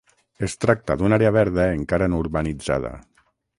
Es tracta d'una àrea verda encara no urbanitzada.